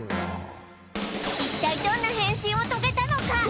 一体どんな変身を遂げたのか？